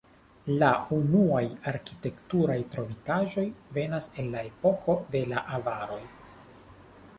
La unuaj arkitekturaj trovitaĵoj venas el la epoko de la avaroj.